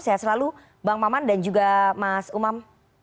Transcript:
sehat selalu bang maman dan juga mas umam